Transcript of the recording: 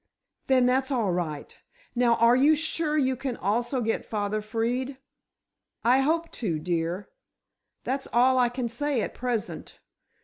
"Then that's all right. Now, are you sure you can also get father freed?" "I hope to, dear. That's all I can say at present.